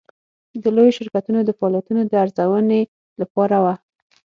د لویو شرکتونو د فعالیتونو د ارزونې لپاره وه.